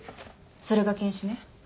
それが検視ね。